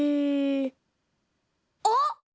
あっ！